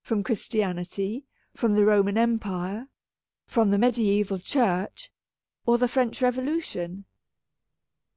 From Christianity, from the Roman Empire, from the mediaeval Church, or the French Revo lution.